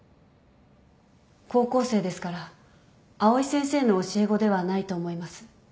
高校生ですから藍井先生の教え子ではないと思います。